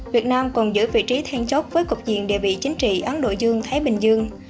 việt nam còn giữ vị trí then chốt với cục diện địa vị chính trị ấn độ dương thái bình dương